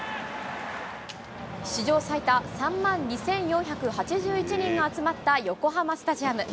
史上最多、３万２４８１人が集まった横浜スタジアム。